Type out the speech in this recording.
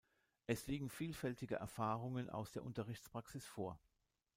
Es liegen vielfältige Erfahrungen aus der Unterrichtspraxis vor.